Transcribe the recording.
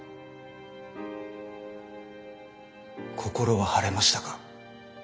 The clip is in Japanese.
心は晴れましたか？